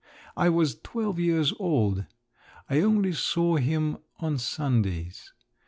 I was twelve years old. I only saw him on Sundays.